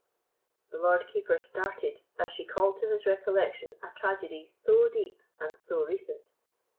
The Lord Keeper started as she called to his recollection a tragedy so deep and so recent.